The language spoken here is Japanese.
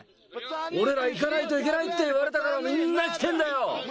俺ら行かないといけないって言われたからみんな来てんだよ。